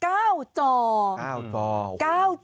ก็ใช้พื้นที่เยอะมากนะ